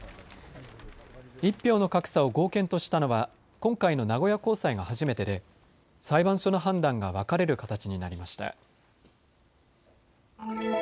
１票の格差を合憲としたのは今回の名古屋高裁が初めてで裁判所の判断が分かれる形になりました。